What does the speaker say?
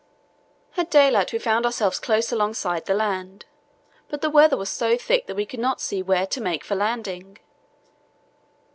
"At daylight we found ourselves close alongside the land, but the weather was so thick that we could not see where to make for a landing.